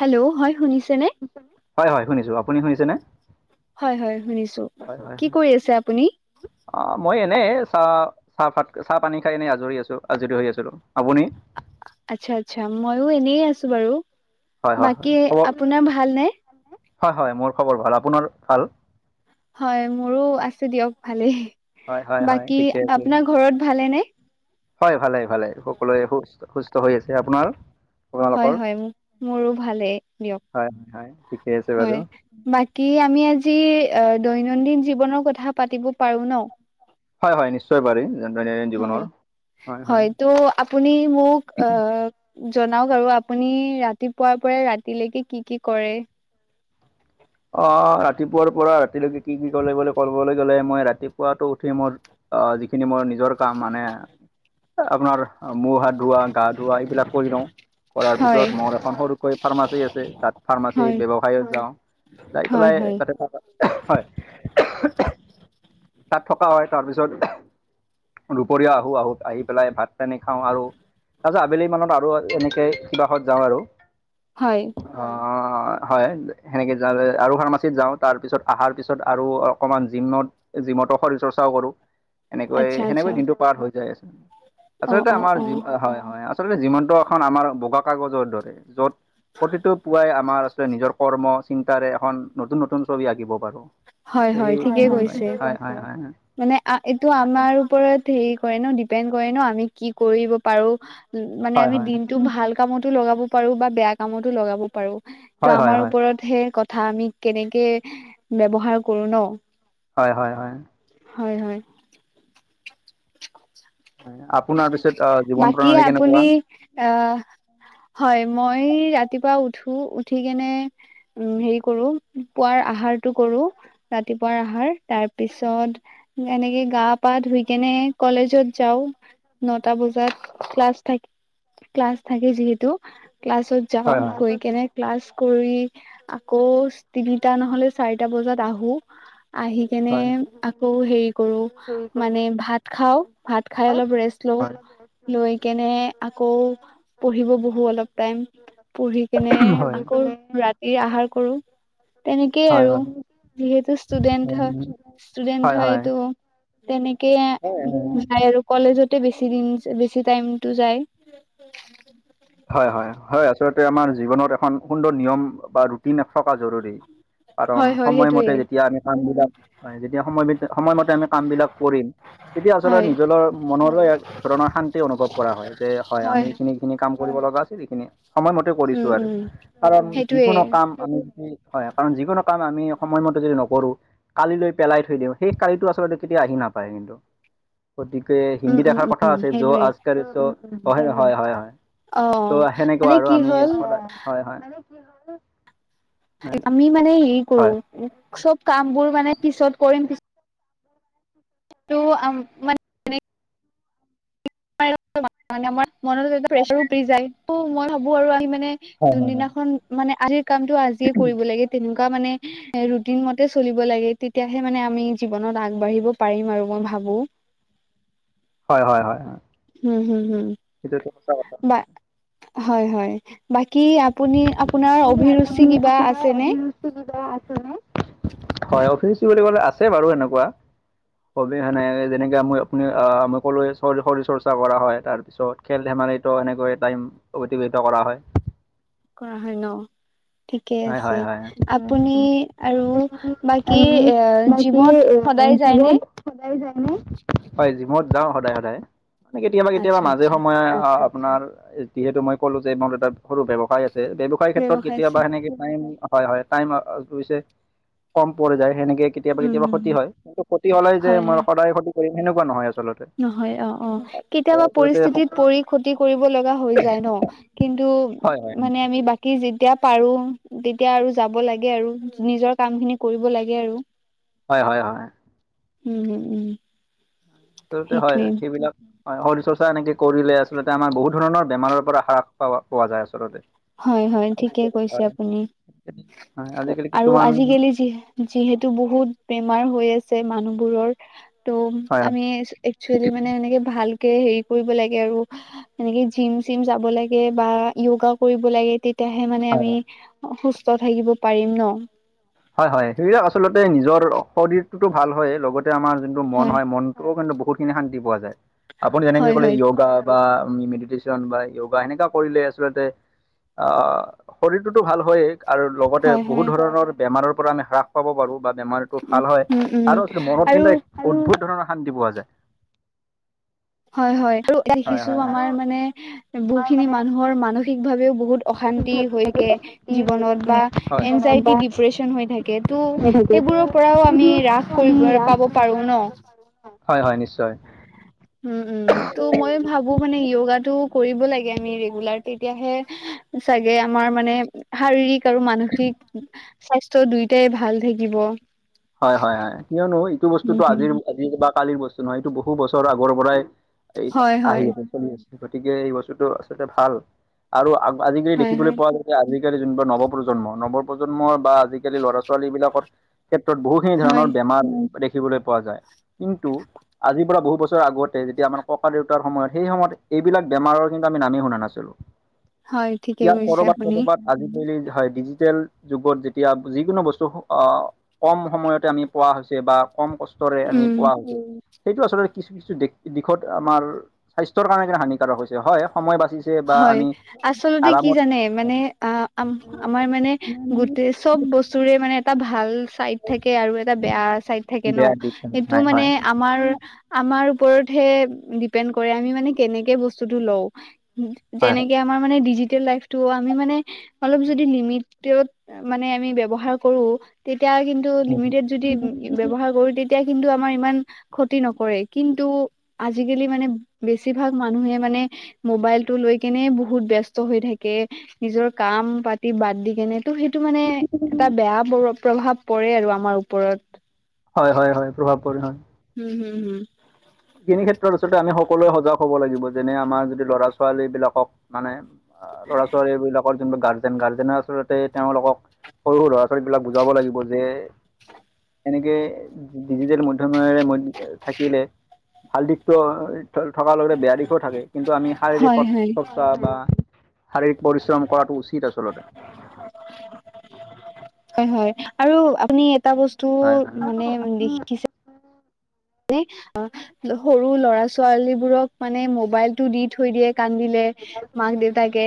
Hello হয় শুনিছেনে? হয় হয় শুনিছো। আপুনি শুনিছেনে? হয় হয় শুনিছো। কি কৰি আছে আপুনি? অ, মই এনে চা চাহপাত, চাহ পানী খাই এনেই আজৰি আছো, আজৰি হৈ আছো। আপুনি? আচ্ছা আচ্ছা মইয়ো এনে আছো বাৰু। হয় হয় হয় বাকী খবৰ আপোনাৰ ভাল নে? হয় হয় মোৰ খবৰ ভাল। আপোনাৰ ভাল? হয় মোৰো আছো দিয়ক ভালেই হয় হয় হয় বাকী। ঠিকে আছে আপোনাৰ ঘৰত ভালে নে? হয়, ভালেই ভালেই সকলোৱে সুস্থ সুস্থ হৈ আছে। আপোনাৰ? হয় আপোনালোকৰ হয় মোৰো ভালেই দিয়ক হয় হয় হয় ঠিকে আছে বাৰু হয়। বাকী আমি আজি দৈনন্দিন জীৱনৰ কথা পাতিব পাৰো ন'? হয়, হয়, নিশ্চয় পাৰি। দৈনন্দিন হয়, জীৱনৰ হয় হয় হয়তো আপুনি মোক আহ জনাওক আৰু আপুনি ৰাতিপুৱাৰ পৰা ৰাতিলৈকে কি কি কৰে। অ', ৰাতিপুৱাৰ পৰা ৰাতিলৈকে কি কি কলে বো ক'বলৈ গ'লে মই ৰাতিপুৱাতো উঠি মোৰ অ', যিখিনি মোৰ নিজৰ কাম মানে আপোনাৰ মুখ হাত ধোৱা গা ধুৱাই সেইবিলাক কৰি লওঁ। কৰাৰ হয় পিছত মোৰ এখন সৰুকৈ ফাৰ্মাচী আছে, তাত ফাৰ্মাচী হয় ব্যৱসায়ত যাওঁ। যাই হয় পেলাই হয় তাতে থকা হয। তাত থকা হয়, তাৰ পিছত দুপৰীয়া আহো, আহো, আহি পেলাই ভাত পানী খাওঁ আৰু তাৰপিছত আবেলি মানত আৰু এনেকৈ কিবাহত যাওঁ আৰু। হয়। অ', হয়, সেনেকে আৰু ফাৰ্মাচীত যাওঁ তাৰপিছত অহাৰ পিছত আৰু অকণমান জিমত জিমত শৰীৰ চৰ্চাও কৰো। সেনেকৈ আচ্ছা আচ্ছা সেনেকৈৱে দিনটো পাৰ হৈ যায় আছে অ আচলতে অ আমাৰ অ হয়, হয়। আচলতে জীৱনটো এখন আমাৰ বগা কাগজৰ দৰে য'ত প্ৰতিটো পুৱাই আমাৰ আচ নিজৰ কৰ্ম চিন্তাৰে এখন নতুন নতুন ছবি আঁকিব পাৰো। হয় এই হয়, ঠিকেই কৈছে হয়, হয়, হয়। মানে এইটো আমাৰ ওপৰত হেৰি কৰে ন' দিপেন্দ কৰে ন' আমি কি কৰি‌ব পাৰো। মানে‌ হয় আমি‌ হয় হয়। দিনটো ভাল কামত টো লগাব পাৰো বা বেয়া কামতো লগাব পাৰো। হয় ত' হয় আমাৰ হয়। ওপৰত হে কথা আমি কেনেকে ব্যৱহাৰ কৰো ন'? হয়, হয়, হয়। হয়, হয়। আপোনাৰ পিছত আহ জীৱন বাকী প্ৰণালী কেনেকুৱা আপুনি আহ হয়, মই ৰাতিপুৱা উঠো উঠি কেনে উম, হেৰি কৰো পোৱাৰ আহাৰটো কৰো। ৰাতিপুৱাৰ আহাৰ তাৰপিছত এনেকে গা পা ধুই কেনে কলেজত যাওঁ। নটা বজাত ক্লাছ থাকে। ক্লাছ থাকে যিহেতু ক্লাছত যাওঁ, হয় হয়। গৈ কেনে ক্লাছ কৰি আকৌ তিনিটা নহলে চাৰিটা বজাত আহো আহি কেনে হয়। হয় হয় আকৌ হেৰি কৰো। মানে ভাত খাওঁ ভাত খাই অলপ ৰেষ্ট লও, লৈ কেনে আকৌ পঢ়িব বহু অলপ টাইম পঢ়ি কেনে হয় আকৌ ৰা তিৰ আহাৰ কৰো। তেনেকেই আৰু যিহেতু ষ্টুডেন্ট হয়, হয় হয় ষ্টুডেন্ট হয় হয়তো তেনেকে হয় হয় যায় আৰু কলেজতে বেছি দিন বেছি টাইমটো যায়। হয়, হয়, হয়, আচলতে আমাৰ জীৱনত এখন সুন্দৰ নিয়ম বা ৰুটিন থকা জৰুৰী। কাৰণ হয় হয় সেইটোয়ে সময়মতে যেতিয়া আমি কাম বিলাক যেতিয়া সময় সময়মতে আমি কাম বিলাক কৰিম। তেতিয়া হয় আচলতে নিজৰ মনলৈ এক ধৰণৰ শান্তি অনুভৱ কৰা হয়, যে হয়, আমি এইখিনি যিখিনি কাম কৰিব লগা আছিল সেইখিনি সময়মতে কৰিছো উম আৰু উম কাৰণ সেইটোয়ে যিকোনো কাম আমি যি হয়, কাৰণ যিকোনো কাম আমি সময়মতে যদি নকৰো। কালি লৈ পেলাই থৈ দিওঁ সেই কালিটো আচলতে কেতিয়াও আহি নাপায় কিন্তু। গতিকে উম হিন্দী উম এসাৰ কথা উম আছে য' সেইটোয়ে আজ কৰে চো হয়, হয়, হয়। অ ত' সেনেকুৱা মানে আৰু কি আমি হ'ল স হয়, হয়। আমি মানে হেৰি কৰো, হয় চব কাম বোৰ মানে পিছত কৰিম পিছত ত' মান আমাৰ মনত প্ৰেচাৰো পৰি যায় ত' মই ভাবো আৰু আহি মানে হয় হয় যোন হয় দিনাখন মানে আজিৰ কামতটো আজিয়ে কৰিব লাগে তেনেকুৱা মানে ৰুটিন মতে চলিব লাগে তে তেতিয়াহে মানে আমি জীৱনত আগবাঢ়িব পাৰিম আৰু মই ভাবোঁ। হয়, হয়, হয়। হুম, হুম, হুম। সেইটো সঁচা কথা। হয় হয় বাকি আপুনি আপোনাৰ অভিৰুচি কিবা আছে নে। অভিৰুচি কিবা আছে নে হয় অভিৰুচি বুলি ক'লে আছে বাৰু এনেকুৱা। কবি সেনেকে যেনেকে আ আপুনি আমি কলোৱে শৰীৰ চৰ্চা কৰা হয় তাৰ পিছত খেল ধেমালিতটো এনেকৈ টাইম অতিবাহিত কৰা হয়। কৰা হয় ন। ঠিকে হয় আছে, হয় হয় আপুনি আৰু বাকী এ জিমত সদায় যায়নে শবত [unintelligible] হয় জিমত যাওঁ সদায় সদায় মানে কেতিয়াবা কেতিয়াবা আচ্ছা মাজে আচ্ছা সময়ে আপোনাৰ যিহেতু মই ক'লো যে মোৰ এটা সৰু ব্যয়ৱসায় আছে ব্যৱসায় ক্ষেত্ৰত কেতিয়াবা সেনেকে ম হয়, হয় টাইম পিছে কম পৰি যায় সেনেকে কেতিয়াবা, উম কেতিয়াবা হম ক্ষতি হয় কিন্ত ক্ষতি হলে যে হয় মই হয় সদায় ক্ষতি কৰিম সেনেকুৱা নহয় আচলতে নহয় অ', অ', আৰু কেতিয়াবা আচলতে পৰিস্থিতিত পৰি ক্ষতি কৰিব লগা হৈ যায় ন। কিন্তু হয়, হয় নিশ্চয়। কি যেতিয়া পাৰো তেতিয়া আৰু যাব লাগে আৰু নিজৰ কাম খিনি কৰিব লাগে আৰু। [inaudible] হয়, হয়, হয়। উম, উম, উম। আচলতে হয় সেইটোৱে সেইবিলাক শৰীৰ চৰ্চা এনেকে কৰিলে আচলতে আমাৰ বহুত ধৰণৰ বেমাৰৰ পৰা হ্ৰাস পা পোৱা যায় আচলতে হয়, হয় ঠিকে আজিকালি কৈছে হয় আপুনি হয় আজিকালি আৰু কিছুমান আজিকালি যিহে যিহেতু বহুত বেমাৰ হৈ আছে মানুহবোৰৰ ত' হয় আমি একচুৱেলি মানে এনেকে ভাল হেৰি কৰিব লাগে আৰু এনেকে জিম চিম যাব লাগে বা য়োগা কৰিব লাগে তে তেতিয়াহে মানে হয় হয় আমি হয় সুস্থ থাকিব পাৰিম ন। হয়, হয় সেইবিলাক আচলতে নিজৰ শৰীৰটোতো ভাল হয় লগতে আমাৰ যোনটো মন হয় মন মনতোও কিন্তু বহুতখিনি শান্তি পোৱা যায়, আপুনি যেনেকে হয় ক'লে হয় য়োগা বা মেডিটেশ্যন বা য়োগা সেনেকা কৰিলে আচলতে শৰীৰটোতো ভাল হয়েই আৰু লগতে হয় হয় বহুত ধৰণৰ বেমাৰৰ পৰা আমি হ্ৰাস পাব পাৰোঁ বা বেমাৰ উম ভাল হয় উম উম আৰু আচলতে মনত আৰু কিন্তু অদ্ভুত ধৰণৰ শান্তি পোৱা যায় হয়, হয় আৰু দেখিছো আমাৰ মানে বহুখিনি মানুহৰ মানসিক ভাৱেও বহুত অশান্তি হৈ থাকে জীৱনত বা এনজাইটি ডিপ্ৰেচন হৈ থাকে তো সেইবোৰৰ পৰাও আমি ৰাস কৰিব পাব পাৰো ন। হয়, হয় নিশ্চয়। উম, উম ত' মই ভাবো মানে য়োগাটো কৰিব লাগে আমি ৰেগুলাৰ তেতিয়াহে চাগে আমাৰ মানে শাৰীৰিক আৰু মানসিক স্বাস্থ্য দুইটাই ভাল থাকিব। হয়, হয়, হয় কিয়নো এইটো বস্তুতটো আজিৰ উম আজি বা কালিৰ বস্তু নহয় এইটো বহু বছৰ আগৰ পৰাই এই হয় হয় আহি আছে চলি আছে গতিকে এই বস্তুটো আচলতে ভাল। আৰু আজিকালি হয় দেখিবলৈ হয় পোৱা গৈছে আজিকালি যোনবাৰ নৱপ্ৰজন্ম নৱপ্ৰজন্ম বা আজিকালি ল'ৰা ছোৱালীবিলাকৰ ক্ষেত্ৰত বহুখিনি হয় ধৰণৰ বেমাৰ দেখিবলৈ পোৱা যায় কিন্তু আজিৰ পৰা বহু বছৰ আগতে যেতিয়া আমাৰ ককা দেউতাৰয়ত সেই সময়ত এইবিলাক বেমাৰৰ কিন্তু আমি নামেই শুনা নাছিলোঁ। [inaudible] ঠিকে ইয়াৰ কৈছে কৰবাত আপুনি কৰবাত আজিকালি হয় ডিজিটেল যুগত যেতিয়া যিকোনো বস্তু আ কম সময়তে আমি পোৱা হৈছে বা কম কষ্টৰে আমি উম পোৱা হৈছে। সেইটো আচলতে কিছু কিছু দিশত আমাৰ স্বাস্থ্যৰ কাৰণে কি হানিকাৰক হৈছে হয় সময় বাচি হয় আচলতে কি জানে মানে আ, আমাৰ মানে গোটেই চব বস্তুৰে মানে এটা ভাল চাইড থাকে আৰু এটা বেয়া চাইড থাকে ন' বেয়া দিশ এইটো হয় মানে হয় আমাৰ আমাৰ ওপৰতহে ডিপেণ্ড কৰে আমি মানে কেনেকে বস্তুটো লও হয় যেনেকে আমাৰ মানে ডিজিটেল লাইফটো আমি মানে অলপ যদি লিমিটত মানে আমি ব্যৱহাৰ কৰোঁ তেতিয়া কিন্ত লিমিটত যদি ব্যৱহাৰ কৰোঁ তেতিয়া তেতিয়া কিন্তু আমাৰ ইমান ক্ষতি নকৰে কিন্তু আজিকালি মানে বেছিভাগ মানুহে মানে মোবাইলটো লৈ কেনে বহুত ব্যস্ত হৈ থাকে। নিজৰ কাম পাতি বাদ দি কেনে ত' সেইটো মানে এটা বেয়া প্ৰ প্ৰভাৱ পৰে আৰু আমাৰ ওপৰত। হয় - হয় - হয়, প্ৰভাৱ পৰে হয়। উম, হুম, হুম, এইখিনি ক্ষেত্ৰত আচলতে আমি সকলোৱে সজাগ হব লাগিব যেনে আমাৰ যদি লৰা ছোৱালী বিলাকক মানে আ, ল'ৰা ছোৱালীবিলাকৰ যোনটো গাৰ্জেন, গাৰ্জেনে আচলতে তেওঁলোকক সৰু সৰু ল'ৰা ছোৱালীবিলাক বুজাব লাগিব যে [inaudible] এনেকে ডিজিটেল মধ্যমৰে, থাকিলে ভাল দিশটো থকাৰ লগে লগে, বেয়া দিশো থাকে কিন্তু আমি হয়, হয়, শাৰীৰিক বা শাৰীৰিক পৰিশ্ৰম কৰাটো উচিত আচলতে। হয় - হয়, আৰু আপুনি এটা বস্তু হয় হয় মানে [unintelligible] আ, সৰু লৰা ছালীবোৰক মানে মবাইলটো দি থৈ দিয়ে কান্দিলে মাক দেউতাকে,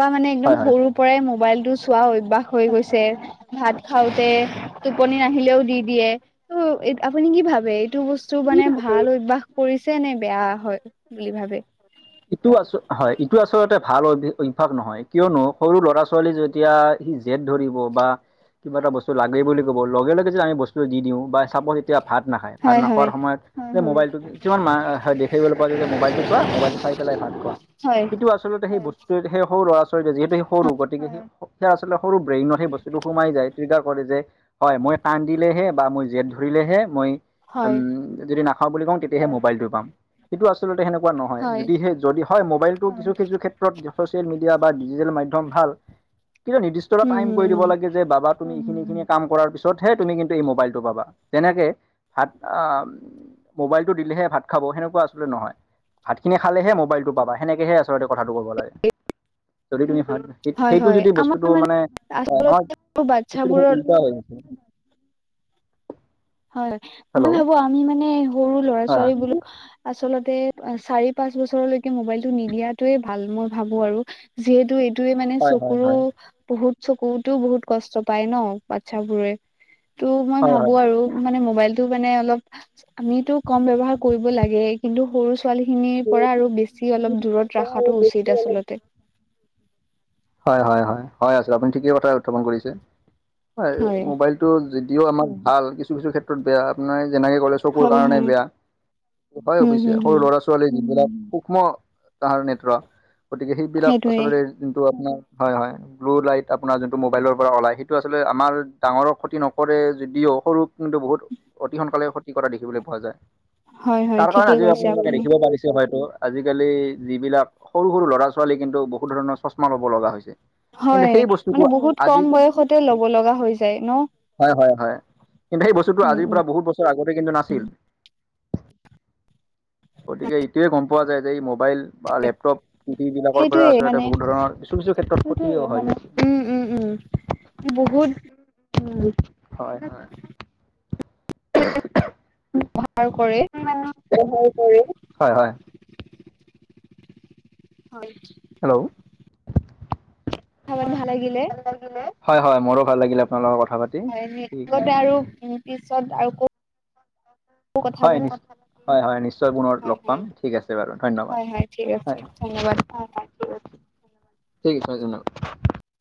বা মানে একদম হয় হয় সৰু পৰাই মোবাইলটো চোৱা অভ্যাস হৈ গৈছে, ভাত খাওঁতে টোপনি নাহিলেও দি দিয়ে ত' আপুনি কি ভাবে এইটো বস্তু টো মানে ভাল অভ্যাস কৰিছে নে বেয়া হয় বুলি ভাবে? ইটো আচ হয় ইটো আচলতে ভাল অভ্যাস নহয় কিয়নো সৰু ল'ৰা ছোৱালী যদি এতিয়া সি জেট ধৰিব বা কিবা এটা বস্তু লাগেই বুলি ক'ব, লগে লগে যে আমি বস্তু দি দিওঁ বা চাপজ তিয়া ভাত নাখায় ভাত হয় হয় নাখোৱাৰ সময়ত যে মোবাইলটো কিছুমান দেখিবলৈ পোৱা যায় যে মোবাইলটো চোৱা মোবাইল চাই পেলাই ভাত খোৱা, হয় কিন্তু আচলতে সেই বস্তু সেই সৰু ল'ৰা ছোৱালী যিহেতু সৰু, গতিকে সেই সেয়া আচলতে সৰু ব্ৰেইনত সেই বস্তুটো সোমাই যায় ত্ৰৃগাৰ কৰে যে হয়, মই কান্দিলেহে বা মই জেদ ধৰিলেহে মই উম, হয় যদি নাখাওঁ বুলি কওঁ তেতিয়াহে মোবাইলটো পাম, কিন্তু আচলতে সেনেকুৱা নহয় হয় যদিহে যদি হয় মোবাইলটো কিছু কিছু ক্ষেত্ৰত ছচিয়েল মিডিয়া বা ডিজিটেল মাধ্যম ভাল কিন্তু নিৰ্দিষ্ট উম টাইম হম কৰি উম দিব লাগে যে বাবা তুমি এইখিনি খিনি কাম কৰাৰ পিছতহে তুমি কিন্তু এই মোবাইলটো পাবা যেনেকে ভাত আ, মোবাইলটো দিলেহে ভাত খাব সেনেকুৱা আচলতে নহয় ভাত খিনি খালেহে মোবাইলটো পাবা সেনেকেহে আচলতে কথাটো কব লাগে যদি তুমি ভাত সেই হয় সেইটো হয় যদি বস্তুটো আমাৰ মানে হয় আচল কিছু দেখোন বাচ্ছাবোৰৰ ওলোটা হৈ আছে। হয়, হয় হেল্ল' মই ভাবো আমি মানে সৰু ল'ৰা হয় ছোৱালী বলো আচলতে চাৰি পাঁচ বছৰলৈকে মোবাইলটো নিদিয়াতোয়ে ভাল মই ভাবো আৰু। যিহেতু এই এইটোয়ে মানে হয় হয় চকুৰো হয় বহুত চকুটো বহুত কষ্ট পায় ন' বাচ্ছাবোৰে ত' মই হয় ভাবো হয় আৰু মানে মোবাইলটো মানে অলপ আমিটো কম ব্যৱহাৰ কৰিব লাগেই কিন্তু সৰু ছোৱালীখিনিৰ পৰা আৰু বেছি অলপ দূৰত ৰখাটো উচিত আচলতে। হয় হয় হয় হয় আ আপুনি ঠিকেই উত্থাপন কৰিছে হয় মোবাইল টো যদিও আমাৰ ভাল কিছু কিছু ক্ষেত্ৰত বেয়া আপোনাৰ যেনেকে কলেজ চকুৰ হয় কাৰণে হয় বেয়া উম হয়অৱশ্যে হম সৰু হম ল'ৰা ছোৱালীৰ যিবিলাক সূক্ষ্ম তাহাতৰ নেত্ৰ গতিকে সেইবিলাক সেইটোৱে আচলতে যোনটো আপোনাৰ হয় হয়। ব্লু লাইট আপোনাৰ যোনটো মোবাইলৰ পৰা ওলায় সেইটো আচলতে আমাৰ ডাঙৰৰ ক্ষতি নকৰে যদিও সৰু কিন্তু বহুত অতি সোনকালে ক্ষতি কৰা দেখিবলৈ পোৱা যায়। হয় হয় তাৰ কাৰণে ঠিকেই আজি কৈছে আপোনালোকে আপুনি দেখিব পাৰিছে হয়তো আজিকালি যিবিলাক সৰু সৰু ল'ৰা-ছোৱালী কিন্তু বহুত ধৰণৰ চশমা ল'ব লগা হৈছে। কিন্তু হয় সেই মানে বস্তুটোবোৰ বহুত আজি কম বয়সতে ল'ব লগা হৈ যায় ন। হয় হয় হয়। কিন্ত সেই বস্তুটো উম আজিৰ উম। বহুত বছৰ আগতে কিন্তু নাছিল গতিকে এইটোৱে ক'ম পোৱা যায় যে এই মোবাইল বা লেপটপ ইতি বিলাকৰ পৰা সেইটোয়ে আচলতে মানে বহুত ধৰণৰ কিছু কিছু ক্ষেত্ৰত ক্ষতি হয় উম উম উম বহুত উম। হয় হয়। ব্যৱহাৰ কৰে। [unintelligible] হয় হয়। হয়। হেল্ল'। কথা পাতি ভাল লাগিলে। হয় হয় মোৰো ভাল লাগিলে আপোনালোকৰ কথা পাতি। হয় ঠিক আছে এনেদৰে আৰু পিছত আৰু ক কথা হয় পাতিম। নিশ্চয় হয় হয় নিশ্চয় পুনৰ লগ পাম ঠিক আছে বাৰু ধন্যবাদ। হয় হয় ঠিক আছে ধন্যবাদ। [unintelligible]